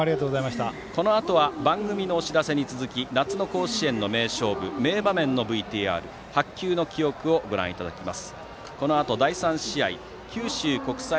このあとは番組のお知らせに続き夏の甲子園の名勝負、名場面のＶＴＲ白球の記憶をご覧いただきます。